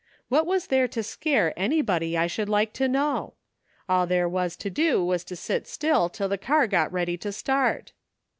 What was there to scare any body, I should like to know ? All there was to do was to sit still till the car got ready to start."